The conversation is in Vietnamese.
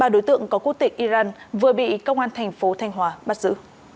ba đối tượng có quốc tịch iran vừa bị công an thành phố thanh hóa bắt giữ